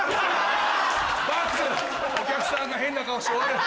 お客さんが変な顔して終わる「×」！